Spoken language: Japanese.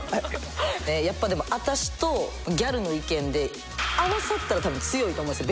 やっぱでも私とギャルの意見で合わさったら多分強いと思うんですよ。